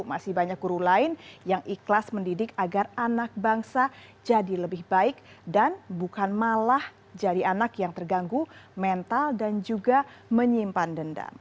masih banyak guru lain yang ikhlas mendidik agar anak bangsa jadi lebih baik dan bukan malah jadi anak yang terganggu mental dan juga menyimpan dendam